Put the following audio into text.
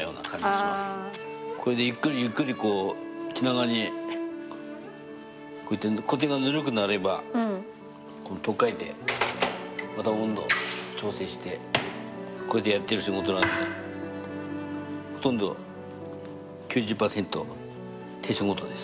これでゆっくりゆっくりこう気長にコテがぬるくなれば取っ替えてまた温度調整してこれでやってる仕事なんでほとんど９０％手仕事です。